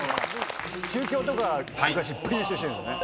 中京とか昔いっぱい優勝してんだよね。